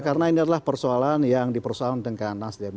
karena ini adalah persoalan yang dipersoal dengan nasdem